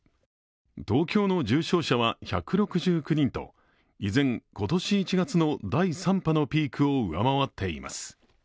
東京の重症者は１６９人と依然、今年１月の第３波のピークを上回っています。